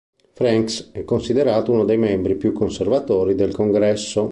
Franks è considerato uno dei membri più conservatori del Congresso.